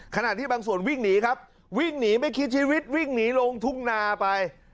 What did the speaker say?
ขณะที่บางส่วนวิ่งหนีครับวิ่งหนีไม่คิดชีวิตวิ่งหนีลงทุ่งนาไป